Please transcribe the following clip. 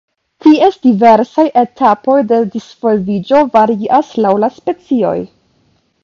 Ties diversaj etapoj de disvolviĝo varias laŭ la specioj.